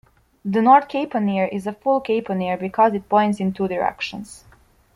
The north caponier is a full caponier because it points in two directions.